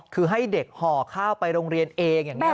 คือให้เด็กห่อข้าวไปโรงเรียนเองอย่างนี้